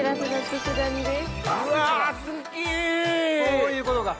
そういうことか。